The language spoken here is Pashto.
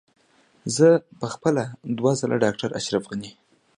زه په خپله دوه ځله ډاکټر اشرف غني.